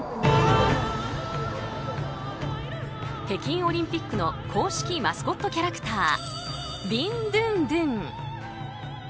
北京オリンピックの公式マスコットキャラクタービンドゥンドゥン。